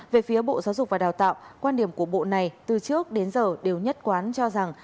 về phía bộ giáo dục và đào tạo quan điểm của bộ này từ trước đến giờ đều nhất quán cho rằng